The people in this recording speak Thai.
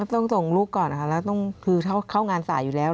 ต้องส่งลูกก่อนนะคะแล้วคือเข้างานสายอยู่แล้ว